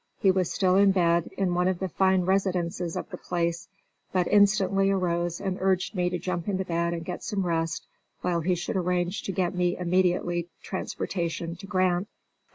He was still in bed, in one of the fine residences of the place, but instantly arose and urged me to jump into bed and get some rest while he should arrange to get me immediate transportation to Grant.